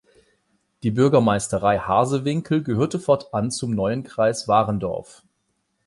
Die Bürgermeisterei Harsewinkel gehörte fortan zum neuen Kreis Warendorf.